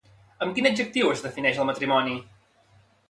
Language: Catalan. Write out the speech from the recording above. Amb quin adjectiu es defineix el matrimoni?